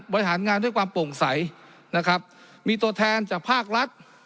บริหารงานด้วยความโปร่งใสนะครับมีตัวแทนจากภาครัฐ